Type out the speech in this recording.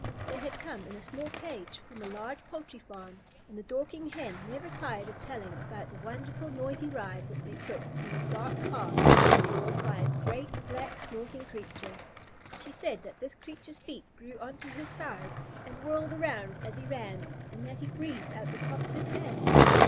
They had come in a small cage from a large poultry farm, and the Dorking Hen never tired of telling about the wonderful, noisy ride that they took in a dark car drawn by a great, black, snorting creature. She said that this creature's feet grew on to his sides and whirled around as he ran, and that he breathed out of the top of his head.